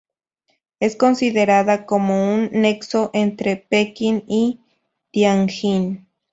Es considerada como un nexo entre Pekín y Tianjin.